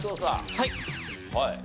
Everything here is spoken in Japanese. はい。